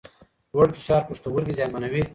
لوړ فشار پښتورګي زیانمنوي.